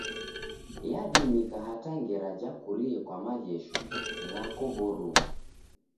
Yadimika hata ngera jakurie kwa maghesho ghako w'oruw'u.